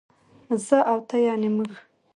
زه او ته يعنې موږ